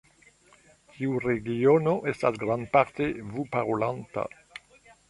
Tiu regiono estas grandparte vu-parolanta.